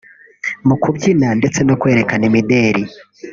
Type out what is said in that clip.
mu kubyina ndetse no kwerekana imideli